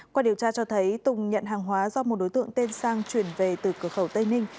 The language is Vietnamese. qua điều tra cho thấy tùng nhận hàng hóa do một đối tượng tên sang chuyển về từ cửa khẩu tây ninh